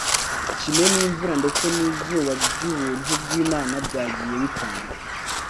Ikime n’imvura ndetse n’izuba by’ubuntu bw’Imana byagiye bitangwa